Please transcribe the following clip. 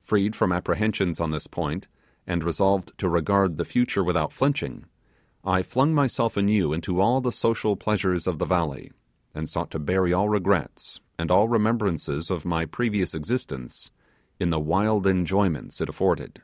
Freed from apprehension on this point, and resolved to regard the future without flinching, I flung myself anew into all the social pleasures of the valley, and sought to bury all regrets, and all remembrances of my previous existence in the wild enjoyments it afforded.